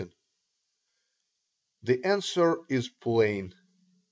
the answer is plain.